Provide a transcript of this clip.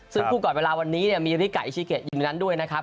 ซึ่งคู่ก่อนเวลาวันนี้มีริกาอิชิเกะยิงในนั้นด้วยนะครับ